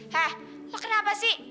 hah lo kenapa sih